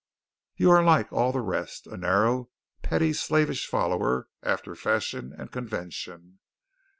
You are like all the rest, a narrow, petty slavish follower after fashion and convention.